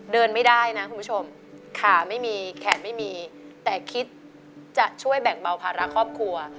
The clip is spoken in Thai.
เดินไม่ได้นะคุณผู้ชมขาไม่มีแขนไม่มีแต่คิดจะช่วยแบ่งเบาภาระครอบครัว